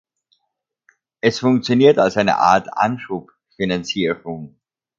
Es funktioniert als eine Art Anschub-Finanzierung.